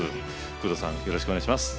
工藤さんよろしくお願いします。